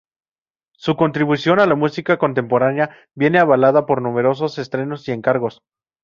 Su contribución a la música contemporánea viene avalada por numerosos estrenos y encargos.